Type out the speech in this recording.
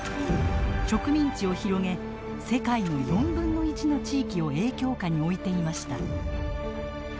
植民地を広げ世界の４分の１の地域を影響下に置いていました。